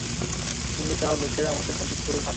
তুমি চাও লোকেরা আমাদের বঞ্চিত করুক, হা?